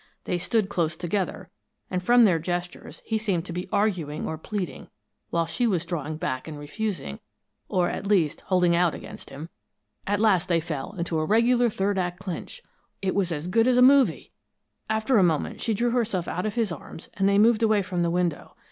They stood close together, and from their gestures, he seemed to be arguing or pleading, while she was drawing back and refusing, or at least, holding out against him. At last they fell into a regular third act clinch it was as good as a movie! After a moment she drew herself out of his arms and they moved away from the window.